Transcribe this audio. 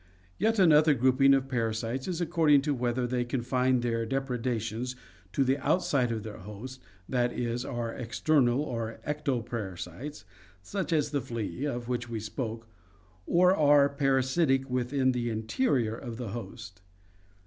— Yet another grouping of parasites is ac cording to whether they confine their depredations to the outside of their host, that is, are external or ectoparasites, such as the flea of which we spoke, or are parasitic within the interior of the host.